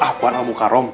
ah puan al mukarong